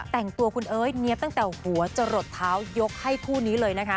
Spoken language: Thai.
แต่งตัวคุณเอ้ยเนี๊ยบตั้งแต่หัวจะหลดเท้ายกให้คู่นี้เลยนะคะ